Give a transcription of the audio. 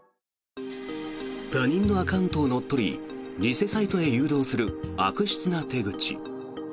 他人のアカウントを乗っ取り偽サイトへ誘導する悪質な手口。